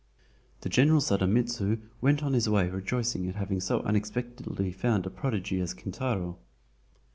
The general Sadamitsu went on his way rejoicing at having so unexpectedly found such a prodigy as Kintaro.